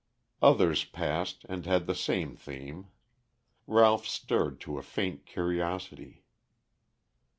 Others passed, and had the same theme. Ralph stirred to a faint curiosity.